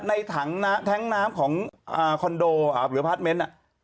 ในถังน้ำของคอนโดหรือผัดมนนท์